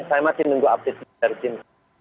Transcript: saya masih menunggu update dari tim